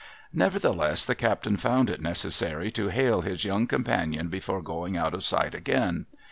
' Nevertheless the captain found it necessary to hail his young companion before going out of sight again.